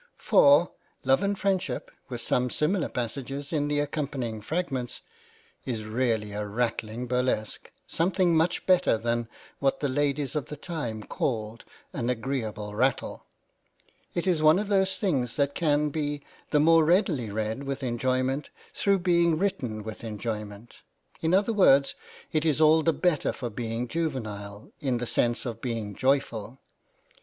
For " Love and Freindship," with some similar passages in the accompanying fragments, is really a rattling burlesque ; something much better than what the ladies of the time called an agreeable rattle. It is one of those things that can be the more readily read with enjoyment through being written with enjoyment ; in other words, it is all the better for being juvenile in the sense of being joyful.